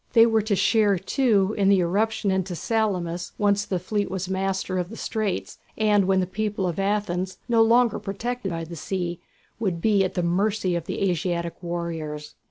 They were to share, too, in the irruption into Salamis once the fleet was master of the straits, and when the people of Athens, no longer protected by the sea, would be at the mercy of the Asiatic warriors.